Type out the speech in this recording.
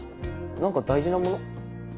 何か大事なもの？